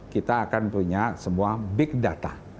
kita akan punya semua big data